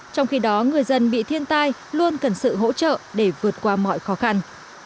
trong khi đó người dân bị thiên tai luôn cần sự hỗ trợ để vượt qua mọi khó khăn